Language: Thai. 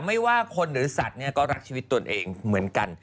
ไม่ว่าคนหรือสัตว์เนี่ยก็รักชีวิตตนเองเหมือนกัน